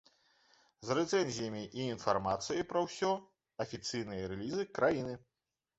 З рэцэнзіямі і інфармацыяй пра ўсе афіцыйныя рэлізы краіны.